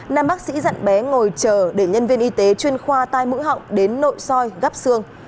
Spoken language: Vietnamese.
nam bác sĩ dặn bé ngồi chờ để nhân viên y tế chuyên khoa tai mũi họng đến nội soi gấp xương